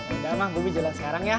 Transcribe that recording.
udah mah gue jalan sekarang ya